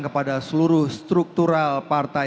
kepada seluruh struktural partai